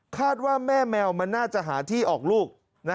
ว่าแม่แมวมันน่าจะหาที่ออกลูก